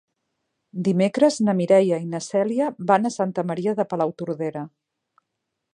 Dimecres na Mireia i na Cèlia van a Santa Maria de Palautordera.